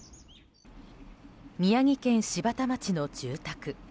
宮城県柴田町の住宅。